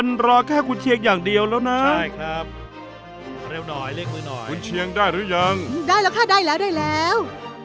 แน่นอนอยู่แล้ว